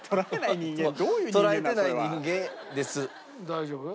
大丈夫？